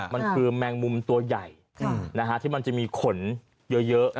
มันคือแมงมุมตัวใหญ่ที่มันจะมีขนเยอะ